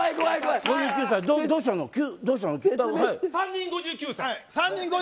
３人、５９歳。